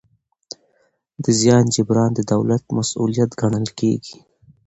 د زیان جبران د دولت مسوولیت ګڼل کېږي.